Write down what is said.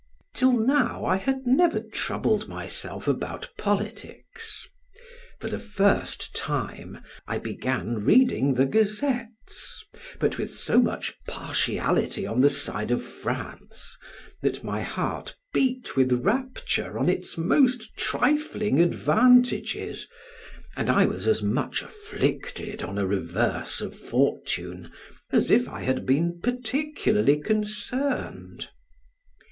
Till now I had never troubled myself about politics, for the first time I began reading the gazettes, but with so much partiality on the side of France, that my heart beat with rapture on its most trifling advantages, and I was as much afflicted on a reverse of fortune, as if I had been particularly concerned.